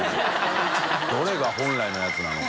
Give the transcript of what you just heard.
匹譴本来のやつなのか。